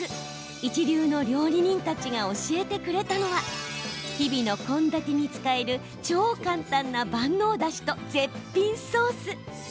一流の料理人たちが教えてくれたのは日々の献立に使える超簡単な万能だしと絶品ソース。